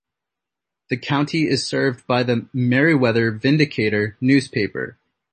The county is served by the "Meriwether Vindicator" newspaper.